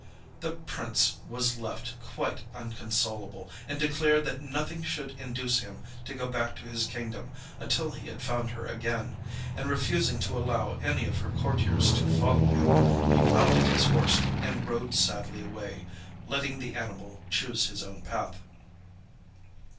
The Prince was left quite unconsolable, and declared that nothing should induce him to go back to his kingdom until he had found her again, and refusing to allow any of his courtiers to follow him, he mounted his horse and rode sadly away, letting the animal choose his own path.